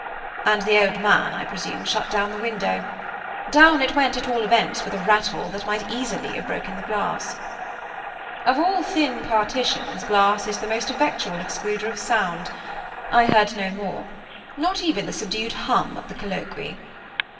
And the old man, I presume, shut down the window. Down it went, at all events, with a rattle that might easily have broken the glass. Of all thin partitions, glass is the most effectual excluder of sound. I heard no more, not even the subdued hum of the colloquy.